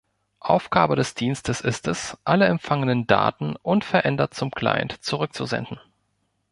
Aufgabe des Dienstes ist es, alle empfangenen Daten unverändert zum Client zurückzusenden.